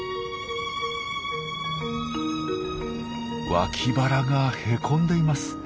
脇腹がへこんでいます。